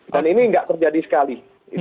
dan ini tidak terjadi sekali